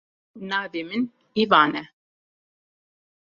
Navê min Ivan e.